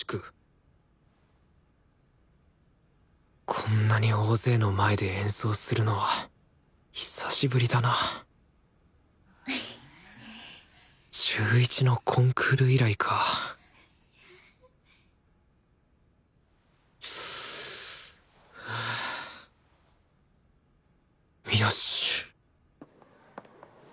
こんなに大勢の前で演奏するのは久しぶりだな中１のコンクール以来かよし！